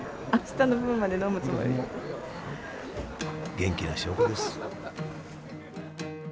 元気な証拠です。